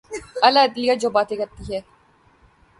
اعلی عدلیہ جو باتیں کرتی ہے۔